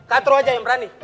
kak tro aja yang berani